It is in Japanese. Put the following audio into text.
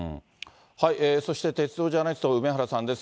そして鉄道ジャーナリスト、梅原さんです。